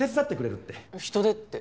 人手って？